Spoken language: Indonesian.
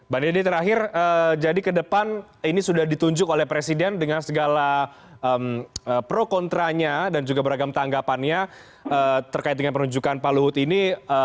mbak dede terakhir jadi ke depan ini sudah ditunjuk oleh presiden dengan segala pro kontranya dan juga beragam tanggapannya terkait dengan penunjukan pak luhut ini